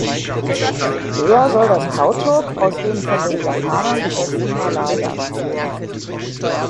Der soll das Kautschuk aus dem von den Japanern besetzten Malaya schmuggeln.